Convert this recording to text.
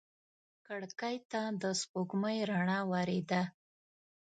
کړکۍ ته د سپوږمۍ رڼا ورېده.